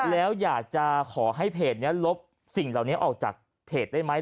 แล้วอยากจะขอให้เพจนี้ลบสิ่งเหล่านี้ออกจากเพจได้ไหม